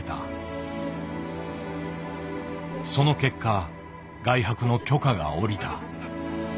その結果外泊の許可が下りた。